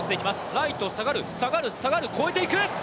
ライト下がる、下がる、下がる越えていく！